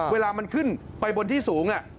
เวลามันขึ้นไปบนที่สูง